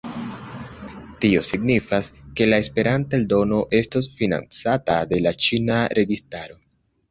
Tio signifas, ke la Esperanta eldono estos financata de la ĉina registaro.